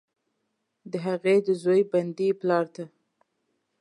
د هغې، د زوی، بندي پلارته،